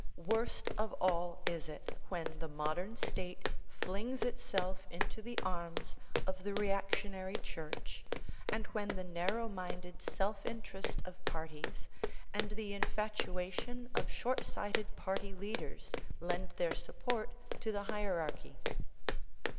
Worst of all is it when the modern state flings itself into the arms of the reactionary Church, and when the narrow minded self interest of parties and the infatuation of short sighted party leaders lend their support to the hierarchy.